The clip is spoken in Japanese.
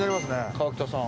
河北さん。